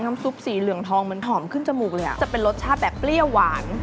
ซุปสีเหลืองทองเหมือนหอมขึ้นจมูกเลยอ่ะจะเป็นรสชาติแบบเปรี้ยวหวาน